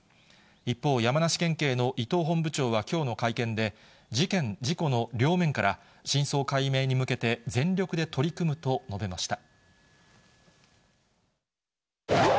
一方、山梨県警のいとう本部長はきょうの会見で、事件、事故の両面から、真相解明に向けて全力で取り組むと述べました。